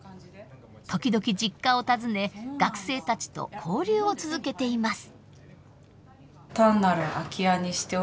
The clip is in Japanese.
時々実家を訪ね学生たちと交流を続けています。